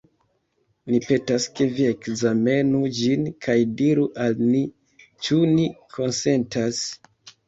Ni petas, ke vi ekzamenu ĝin kaj diru al ni, ĉu ni konsentas.